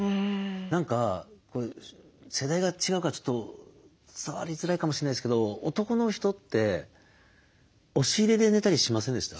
何か世代が違うからちょっと伝わりづらいかもしれないですけど男の人って押し入れで寝たりしませんでした？